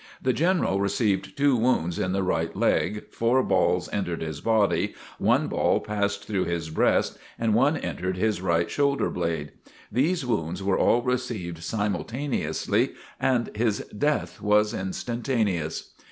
The General received two wounds in the right leg, four balls entered his body, one ball passed through his breast and one entered his right shoulder blade. These wounds were all received simultaneously and his death was instantaneous.